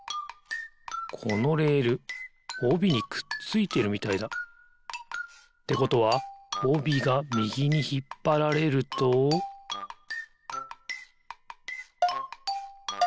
このレールおびにくっついてるみたいだ。ってことはおびがみぎにひっぱられるとピッ！